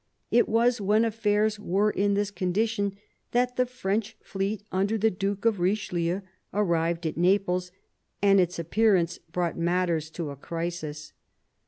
It was when afikirs were in this condition that the French fleet, under the Duke of Richelieu, arrived at Naples, and its appear ance brought matters to a crisis.